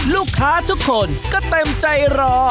ลูกค้าทุกคนก็เต็มใจรอ